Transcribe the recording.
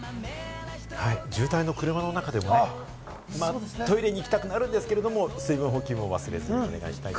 渋滞の車の中でもね、トイレに行きたくなるんですけれども、水分補給を忘れずにお願いしたいですね。